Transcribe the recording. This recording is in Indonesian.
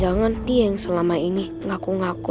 jangan dia yang selama ini ngaku ngaku